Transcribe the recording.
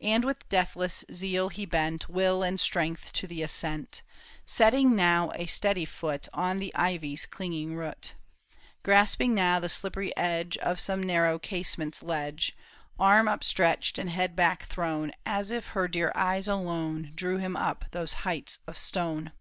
And with deathless zeal he bent Will and strength to the ascent, Setting now a steady foot On the ivys' clinging root. Grasping now the slippery edge Of some narrow casement's ledge, Arm upstretched and head backthrown, As if her dear eyes alone Drew him up those heights of stone.